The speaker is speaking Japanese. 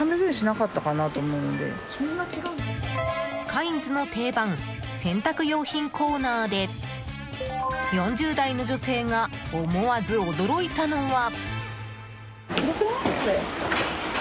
カインズの定番洗濯用品コーナーで４０代の女性が思わず驚いたのは。